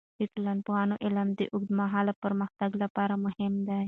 د ټولنپوهنې علم د اوږدمهاله پرمختګ لپاره مهم دی.